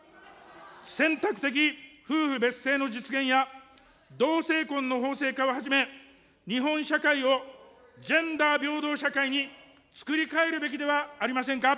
選択的夫婦別姓の実現や、同性婚の法制化をはじめ、日本社会をジェンダー平等社会につくりかえるべきではありませんか。